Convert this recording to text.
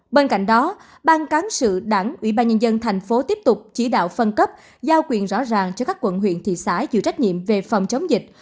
bên cạnh đó ban cán sự đảng ủy ban nhân dân thành phố tiếp tục chỉ đạo phân cấp giao quyền rõ ràng cho các quận huyện thị xã chịu trách nhiệm về phòng chống dịch